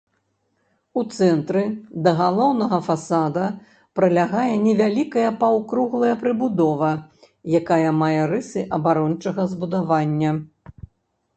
У цэнтры да галоўнага фасада прылягае невялікая паўкруглая прыбудова, якая мае рысы абарончага збудавання.